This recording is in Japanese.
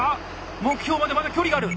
目標までまだ距離がある！